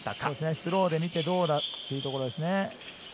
スローで見てどうかというところです。